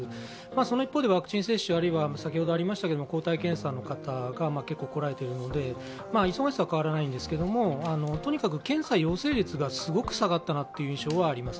その一方でワクチン接種、抗体検査の方が結構来られているので、忙しさは変わらないんですけどとにかく検査陽性率がすごく下がったなという印象はあります。